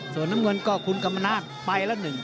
ส่วนน้ำเงินก็คุณกำมานาธิ์ไปแล้ว๑เพจ